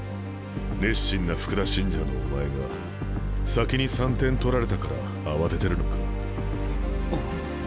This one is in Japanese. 熱心な福田信者のお前が先に３点取られたから慌ててるのか？